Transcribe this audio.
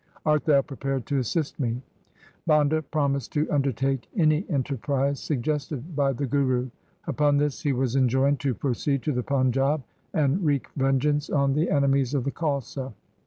Art thou prepared to assist me ?' Banda promised to undertake any enterprise suggested by the Guru. Upon this he was enjoined to proceed to the Panjab and wreak vengeance on the enemies of the Khalsa.